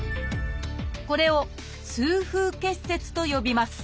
これを「痛風結節」と呼びます。